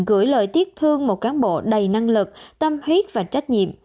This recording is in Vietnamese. gửi lời tiếc thương một cán bộ đầy năng lực tâm huyết và trách nhiệm